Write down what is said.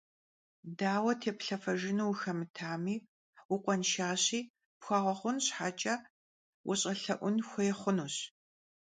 Daue têplhefejjınu vuxemıtmi vukhuanşşeşi pxuağeğun şheç'e vuş'elhe'un xuêy xhunuş.